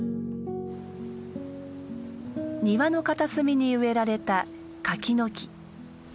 庭の片隅に植えられた柿の木。